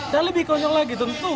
dan lebih konyol lagi tentu